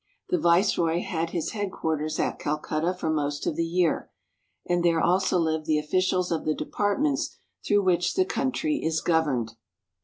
The Viceroy had his headquarters at Calcutta for most of the year, and there also Hved the officials of the departments through which the country is governed.